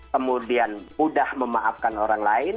kemudian mudah memaafkan orang lain